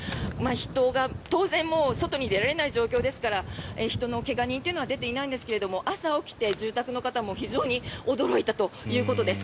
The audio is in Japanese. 人は、当然外に出られない状況ですから人の怪我人というのは出ていないんですけれど朝起きて、住宅の方も非常に驚いたということです。